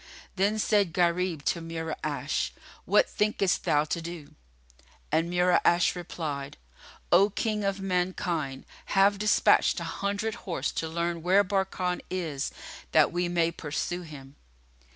Then said Gharib to Mura'ash, "What thinkest thou to do?" And Mura'ash replied, "O King of mankind, I have despatched an hundred horse to learn where Barkan is, that we may pursue him."